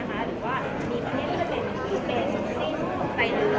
หรือว่ามีภาพที่เป็นใจหนึ่งใดเนื้อ